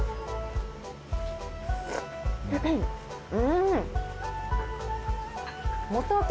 うん。